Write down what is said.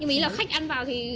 thì mình nghĩ là khách ăn vào thì